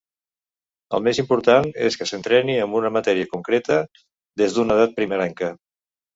El més important és que s'entreni en una matèria concreta des d'una edat primerenca.